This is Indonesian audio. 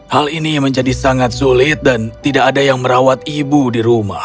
hal ini menjadi sangat sulit dan tidak ada yang merawat ibu di rumah